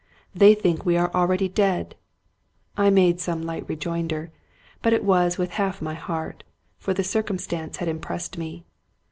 " They think we are already dead." I made some light rejoinder, but it was with half my heart ; for the circumstance had impressed me.